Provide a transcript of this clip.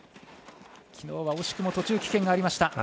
きのうは惜しくも途中棄権がありました。